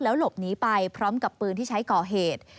หลบหนีไปพร้อมกับปืนที่ใช้ก่อเหตุ